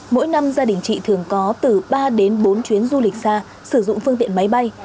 mỗi năm gia đình chị thường có từ ba đến bốn chuyến du lịch xa sử dụng phương tiện máy bay